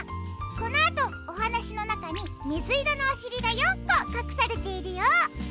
このあとおはなしのなかにみずいろのおしりが４こかくされているよ。